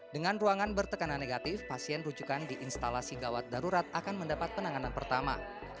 dengan ruangan bertekanan negatif pasien rujukan di instalasi gawat darurat akan mendapat penanganan pertama